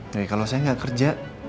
ya kalau saya gak kerja